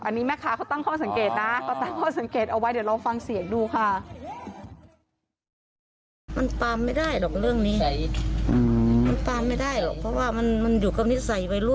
อันนี้แม่ค้าเขาตั้งข้อสังเกตนะเขาตั้งข้อสังเกตเอาไว้เดี๋ยวลองฟังเสียงดูค่ะ